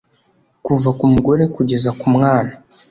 Kuva ku mugore kugeza ku mwana